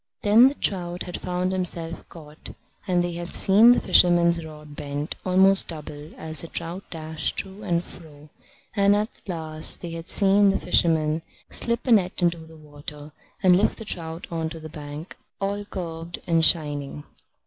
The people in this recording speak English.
Then the trout had found himself caught, and they had seen the fisherman's rod bent almost double as the trout dashed to and fro; and at last they had seen the fisherman slip a net into the water, and lift the trout on to the bank, all curved and shining.